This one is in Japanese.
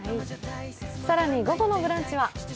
更に午後の「ブランチ」は？